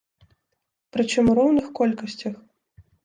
Прычым у роўных колькасцях.